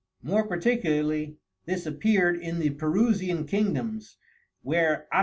More particularly this appear'd in the Perusian Kingdoms, where _An.